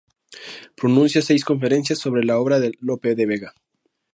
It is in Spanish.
Pronuncia seis conferencias sobre la obra de Lope de Vega.